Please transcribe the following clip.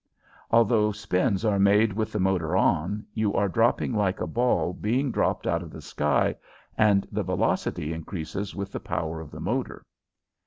Although spins are made with the motor on, you are dropping like a ball being dropped out of the sky and the velocity increases with the power of the motor.